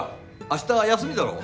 明日休みだろ？